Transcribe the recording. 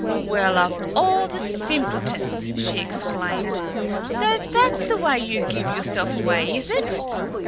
"Well, of all the simpletons!" she exclaimed. "So that's the way you give yourself away, is it?